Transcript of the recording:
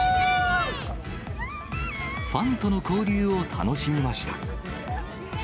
ファンとの交流を楽しみました。